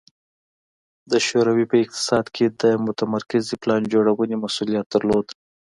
د شوروي په اقتصاد کې د متمرکزې پلان جوړونې مسوولیت درلود